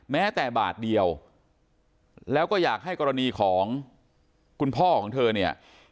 แม้แต่บาทเดียวแล้วก็อยากให้กรณีของคุณพ่อของเธอเนี่ย